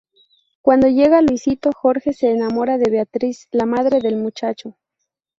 Cuando llega Luisito, Jorge se enamora de Beatriz, la madre del muchacho.